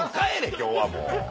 今日はもう。